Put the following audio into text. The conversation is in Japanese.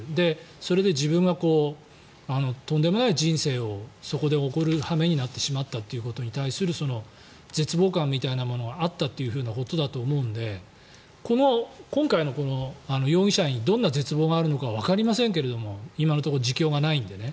それで自分がとんでもない人生をそこで送る羽目になってしまったということに対する絶望感みたいなものがあったということだと思うので今回のこの容疑者にどんな絶望があるのかはわかりませんが今のところ自供がないのでね。